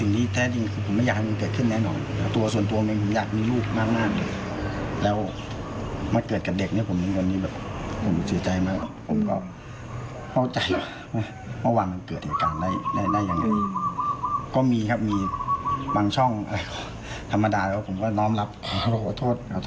นี่ครับนี่ก็คือสุนัขทั้งหลายฟังแค่เสียงก็รู้ว่ามันดุ